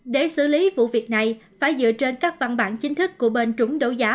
để xử lý vụ việc này phải dựa trên các văn bản chính thức của bên trúng đấu giá